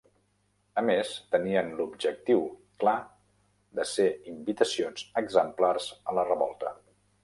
A més, tenien l'objectiu clar de ser invitacions "exemplars" a la revolta.